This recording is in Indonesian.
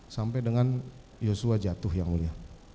sampai dengan yosua jatuh yang mulia